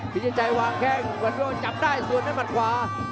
พิชิชัยวางแข้งวัดเมโยจับได้ส่วนให้มันขวา